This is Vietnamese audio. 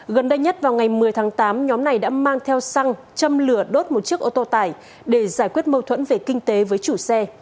gần đây nhất vào ngày một mươi tháng tám nhóm này đã mang theo xăng châm lửa đốt một chiếc ô tô tải để giải quyết mâu thuẫn về kinh tế với chủ xe